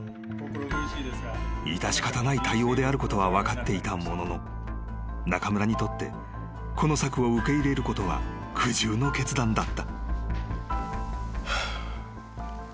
［致し方ない対応であることは分かっていたものの中村にとってこの策を受け入れることは苦渋の決断だった］